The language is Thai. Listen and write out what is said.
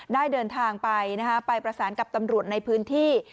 ได้เดินทางไปไปประสานกับตำรวจในพื้นที่